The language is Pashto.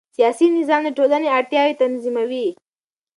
سیاسي نظام د ټولنې اړتیاوې تنظیموي